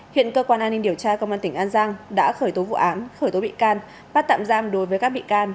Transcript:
hiện cơ quan an ninh điều tra công an tỉnh an giang đã khởi tố vụ án khởi tố bị can bắt tạm giam đối với các bị can